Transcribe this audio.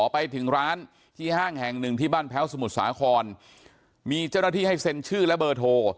ไปถึงร้านที่ห้างแห่งหนึ่งที่บ้านแพ้วสมุทรสาครมีเจ้าหน้าที่ให้เซ็นชื่อและเบอร์โทร